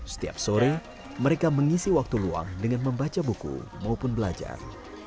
setiap sore mereka mengisi waktu luang dengan membaca buku maupun belajar